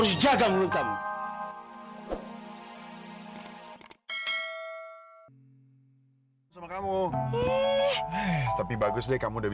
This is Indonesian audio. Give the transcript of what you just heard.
sampai jumpa di video selanjutnya